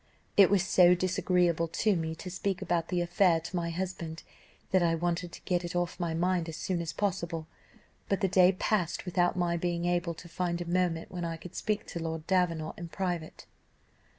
It was so disagreeable to me to speak about the affair to my husband, that I wanted to get it off my mind as soon as possible, but the day passed without my being able to find a moment when I could speak to Lord Davenant in private.